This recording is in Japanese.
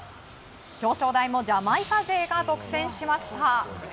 表彰台もジャマイカ勢が独占しました。